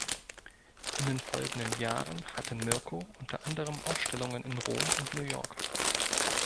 In den folgenden Jahren hatte Mirko unter anderem Ausstellungen in Rom und New York.